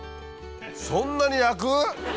そんなに焼く？